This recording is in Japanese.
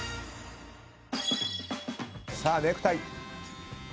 さあネクタイ！